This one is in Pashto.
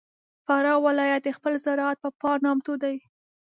فراه ولایت د خپل زراعت په پار نامتو دی.